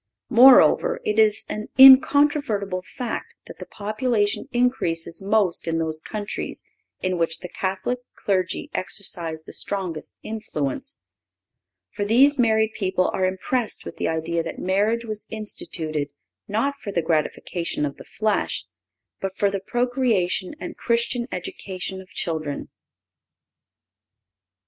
Moreover, it is an incontrovertible fact that the population increases most in those countries in which the Catholic clergy exercise the strongest influence; for there married people are impressed with the idea that marriage was instituted not for the gratification of the flesh, but for the procreation and Christian education of children.